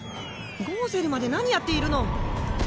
ゴウセルまで何やっているの！